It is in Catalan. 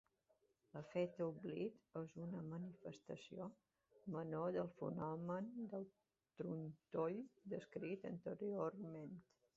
L'efecte oblic és una manifestació menor del fenomen del trontoll descrit anteriorment.